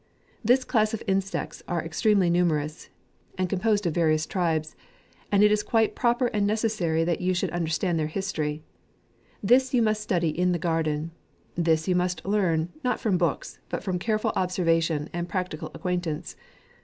This class of insects are extreme ly numerous, and composed of various tribes ; and it is quite proper and necessary that you should understand their history. This you must study in the garden ; this you must learn, not from books, but from careful ob servation, and practical acquaintance.